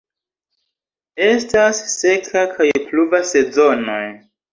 Estas seka kaj pluva sezonoj.